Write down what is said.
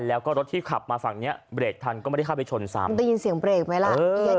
แล้วก็รถที่ขับมาฝั่งเนี้ยเบรกทันก็ไม่ได้เข้าไปชนซ้ำได้ยินเสียงเบรกไหมล่ะ